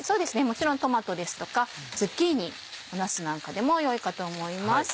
もちろんトマトですとかズッキーニなすなんかでもよいかと思います。